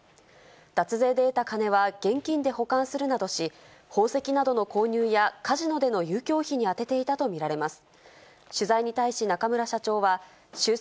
脱税で得た金は現金で保管するなどし、宝石などの購入や、カジノでの遊興費に充てていたと見られます。